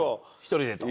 １人でと。